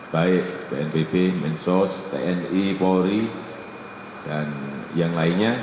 baik bnpb mensos tni polri dan yang lainnya